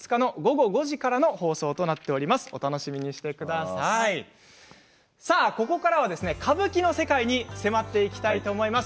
さあ、ここからは歌舞伎の世界に迫っていきたいと思います。